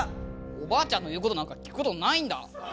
おばあちゃんの言うことなんか聞くことないんだ。